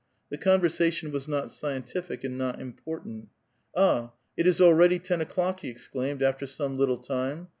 The conversation was not scientific and not important. "Ah! it is already ten o'clock!" he exclaimed, after some little time.